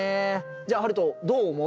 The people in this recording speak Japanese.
じゃあハルトどう思う？